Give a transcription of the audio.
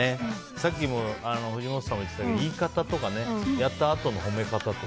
さっき藤本さんも言ってたけど言い方とかやったあとの褒め方とか。